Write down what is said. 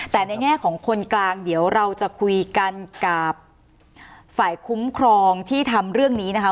แต่ในแง่ของคนกลางเดี๋ยวเราจะคุยกันกับฝ่ายคุ้มครองที่ทำเรื่องนี้นะคะ